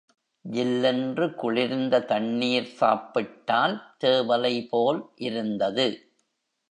ஜில்லென்று குளிர்ந்த தண்ணீர் சாப்பிட்டால் தேவலைபோல் இருந்தது.